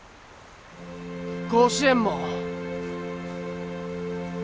甲子園も。